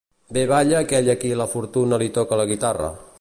Bé balla aquell a qui la fortuna li toca la guitarra.